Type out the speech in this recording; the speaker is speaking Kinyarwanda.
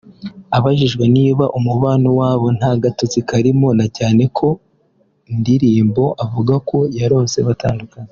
Abajijwe niba umubano wabo nta gatotsi karimo na cyane ko mu ndirimbo avuga ko yarose batandukanye